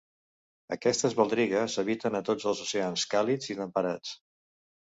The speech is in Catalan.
Aquestes baldrigues habiten a tots els oceans càlids i temperats.